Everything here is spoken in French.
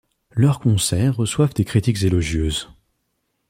Leurs concerts reçoivent des critiques élogieuses.